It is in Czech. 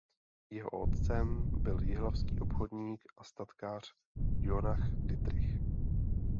Jeho otcem byl jihlavský obchodník a statkář Johann Dietrich.